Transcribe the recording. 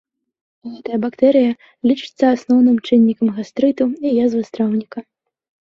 Гэтая бактэрыя лічыцца асноўным чыннікам гастрыту і язвы страўніка.